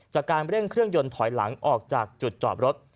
จากการเร่งเครื่องยนต์ถอยหลังออกจากจุดจอดรถ